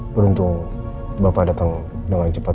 beruntung bapak datang dengan cepat